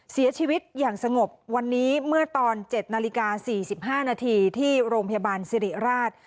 เสียชีวิตอย่างสงบวันนี้เมื่อตอน๗นาฬิกา๔๕นาทีที่โรงพยาบาลสิริราช